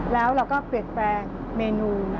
แล้วเราก็เปลี่ยนแปลงเมนู